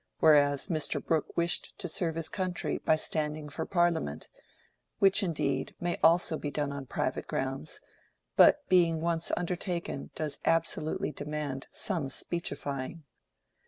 whereas Mr. Brooke wished to serve his country by standing for Parliament—which, indeed, may also be done on private grounds, but being once undertaken does absolutely demand some speechifying.